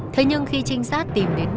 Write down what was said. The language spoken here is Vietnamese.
thế nhưng khi trinh sát tìm đến thao